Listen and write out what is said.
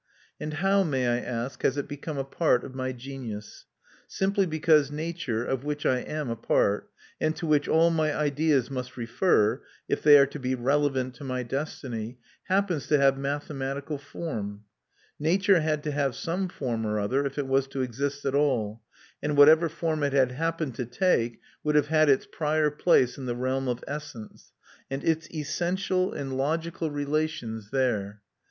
And how, may I ask, has it become a part of my genius? Simply because nature, of which I am a part, and to which all my ideas must refer if they are to be relevant to my destiny, happens to have mathematical form. Nature had to have some form or other, if it was to exist at all; and whatever form it had happened to take would have had its prior place in the realm of essence, and its essential and logical relations there.